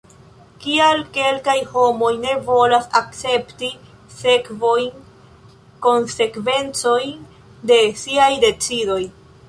Kial kelkaj homoj ne volas akcepti sekvojn, konsekvencojn de siaj decidoj?